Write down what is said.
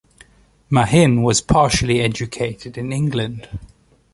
Mahin was partially educated in England.